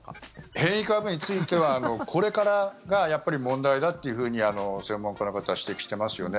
変異株についてはこれからがやっぱり問題だというふうに専門家の方は指摘していますよね。